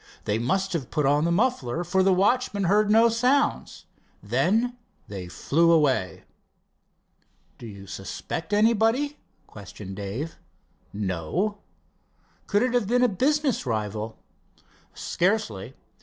They must have put on the muffler, for the watchman heard no sounds. Then they flew away." "Do you suspect anybody?" questioned Dave. "No." "Could it have been a business rival?" "Scarcely.